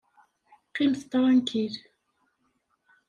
Qqimet tṛankil!